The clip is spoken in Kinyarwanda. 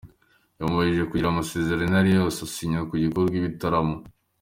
Yamubujije kugira amasezerano ayo ari yo yose asinya yo gukora ibitaramo.